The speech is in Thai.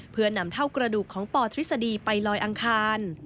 เพื่อนำเท่ากระดูกของปทฤษฎีไปลอยอังคาร